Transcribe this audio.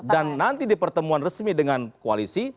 dan nanti di pertemuan resmi dengan koalisi